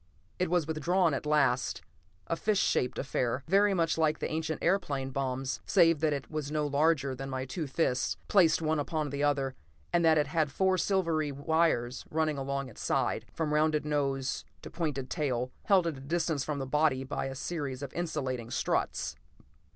It was withdrawn at last; a fish shaped affair, very much like the ancient airplane bombs save that it was no larger than my two fists, placed one upon the other, and that it had four silvery wires running along its sides, from rounded nose to pointed tail, held at a distance from the body by a series of insulating struts.